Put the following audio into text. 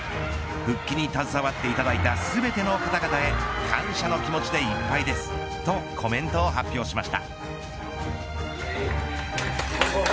復帰に携わっていただいた全ての方々へ感謝の気持ちでいっぱいですとコメントを発表しました。